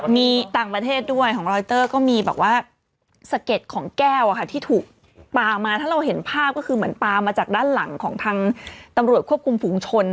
มีต่างประเทศด้วยของรอยเตอร์ก็มีแบบว่าสะเก็ดของแก้วที่ถูกปลามาถ้าเราเห็นภาพก็คือเหมือนปลามาจากด้านหลังของทางตำรวจควบคุมฝูงชน